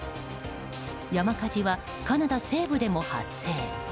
山火事はカナダ西部でも発生。